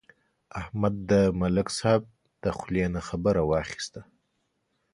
احمد د ملک صاحب د خولې نه خبره واخیسته.